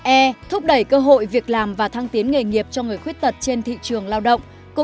e thúc đẩy cơ hội việc làm và thăng tiến nghề nghiệp cho người khuyết tật trên thị trường lao động